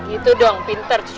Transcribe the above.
gitu dong pinter cucok